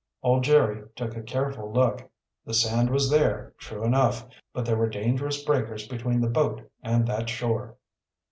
Old Jerry took a careful look. The sand was there, true enough, but there were dangerous breakers between the boat and that shore.